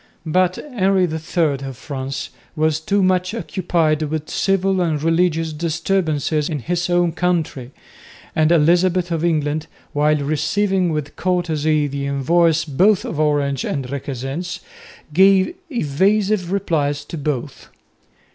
But Henry III of France was too much occupied with civil and religious disturbances in his own country, and Elizabeth of England, while receiving with courtesy the envoys both of Orange and Requesens, gave evasive replies to both.